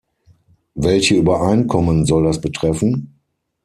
Welche Übereinkommen soll das betreffen?